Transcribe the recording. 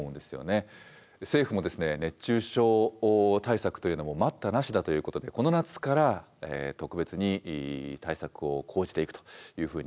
政府もですね熱中症対策というのも待ったなしだということでこの夏から特別に対策を講じていくというふうにしています。